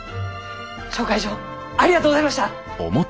紹介状ありがとうございました！